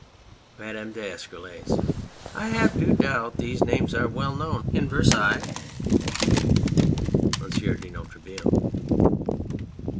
MADAME D'ESCUROLLES. I have do doubt these names are well known in Versailles. MONSIEUR DE NOIRETABLE.